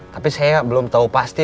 tapi saya belum tahu pasti